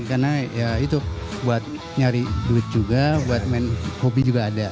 karena ya itu buat nyari duit juga buat main hobi juga ada